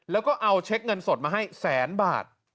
แล้วก็เอาเช็คเงินสดมาให้แสนบาท